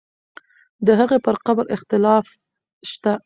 د هغې پر قبر اختلاف شته.